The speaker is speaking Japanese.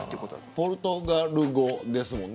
ポルトガル語ですもんね